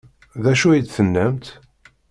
D acu ay d-tennamt?